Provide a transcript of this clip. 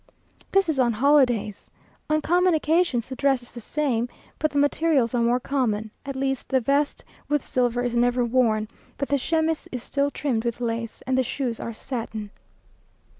This is on holidays. On common occasions, the dress is the same, but the materials are more common, at least the vest with silver is never worn; but the chemise is still trimmed with lace, and the shoes are satin.